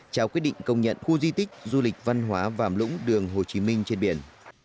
trao quyết định công nhận khu di tích du lịch văn hóa vàm lũng đường hồ chí minh trên biển